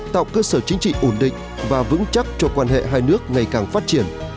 tạo cơ sở chính trị ổn định và vững chắc cho quan hệ hai nước ngày càng phát triển